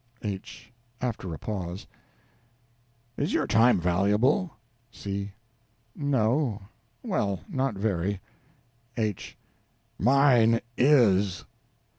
H. (After a pause). Is your time valuable? C. No well, not very. H. Mine is.